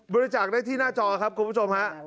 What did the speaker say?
บริจาคได้ที่หน้าจอครับคุณผู้ชมฮะ